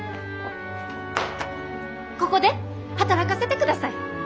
ここで働かせてください。